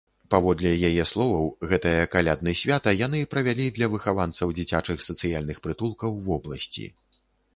Паводле яе словаў, гэтае калядны свята яны правялі для выхаванцаў дзіцячых сацыяльных прытулкаў вобласці.